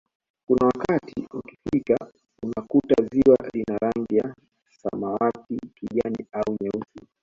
Kuna wakati ukifika unakuta ziwa lina rangi ya samawati kijani au nyeusi